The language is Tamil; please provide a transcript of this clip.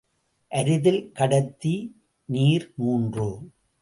அரிதில் கடத்தி நீர் மூன்று.